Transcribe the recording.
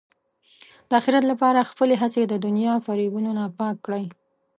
د اخرت لپاره خپلې هڅې د دنیا فریبونو نه پاک کړئ.